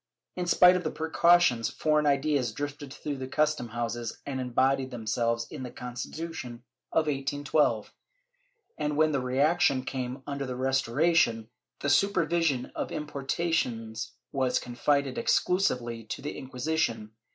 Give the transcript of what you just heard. In spite of precautions, foreign ideas drifted through the custom houses and embodied themselves in the Constitution of 1812 and, when the reaction came imder the Restoration, the supervision of importations was confided exclusively to the Inquisition.